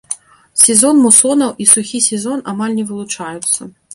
Сезон мусонаў і сухі сезон амаль не вылучаюцца.